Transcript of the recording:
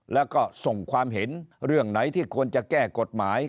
แล้วก็ส่งความเห็นเรื่องไหนที่ควรจะแก้กฎหมาย